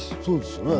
そうです。